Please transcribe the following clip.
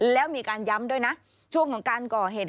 แล้วมีการย้ำด้วยนะช่วงของการก่อเหตุ